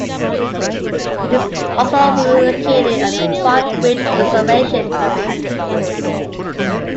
It is also located on the Pine Ridge Reservation.